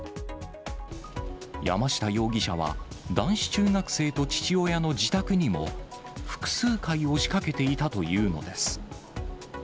山下容疑者は、男子中学生と父親の自宅にも、複数回押しかけていたというのです。